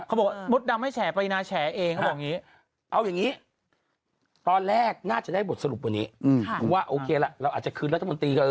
เขาบอกมดดำไม่แฉไปนะแฉเองเขาบอกอย่ังงี้